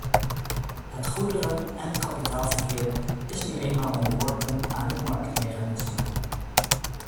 Het goederen- en kapitaalverkeer is nu eenmaal onderworpen aan het marktmechanisme.